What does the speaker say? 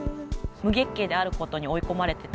無月経であることに追い込まれてた。